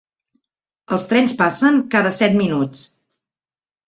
Els trens passen cada set minuts.